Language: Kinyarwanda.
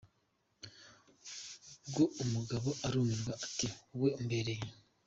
Ubwo umugabo arumirwa ati wowe umbereye.